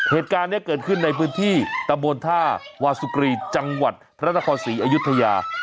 เหตุการณ์นี้เกิดขึ้นในพื้นที่ตะบนท่าวาสุกรีจังหวัดพระนครศรีอยุธยา